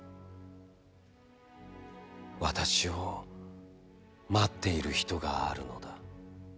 私を、待っている人があるのだ。